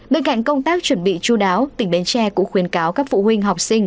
bên cạnh công tác chuẩn bị chú đáo tỉnh bến tre cũng khuyến cáo các phụ huynh học sinh